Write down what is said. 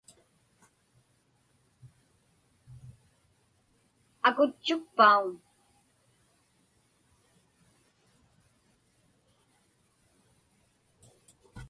Akutchukpauŋ?